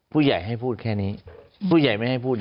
ผู้ใหญ่ให้พูดแค่นี้ผู้ใหญ่ไม่ให้พูดอีก